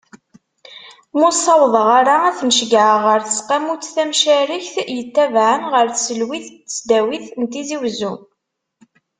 Ma ur ssawḍeɣ ara ad ten-ceyyɛeɣ ɣer tseqqamut tamcarekt, yettabaɛen ɣer tselwit n tesdawit n Tizi Uzzu.